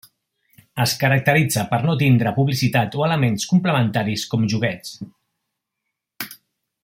Es caracteritza per no tindre publicitat o elements complementaris com joguets.